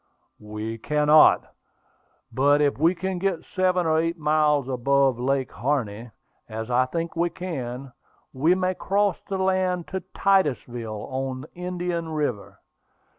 "We cannot; but if we can get seven or eight miles above Lake Harney, as I think we can, we may cross the land to Titusville, on Indian River.